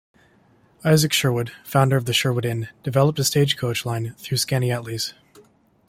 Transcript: Isaac Sherwood, founder of the Sherwood Inn, developed a stage coach line through Skaneateles.